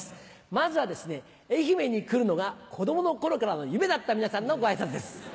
まずはですね愛媛に来るのが子供の頃からの夢だった皆さんのご挨拶です。